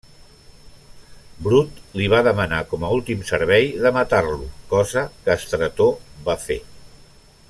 Brut li va demanar com a últim servei de matar-lo, cosa que Estrató va fer.